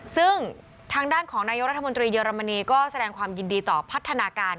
ซึ่งทางด้านของนายกรัฐมนตรีเยอรมนีก็แสดงความยินดีต่อพัฒนาการ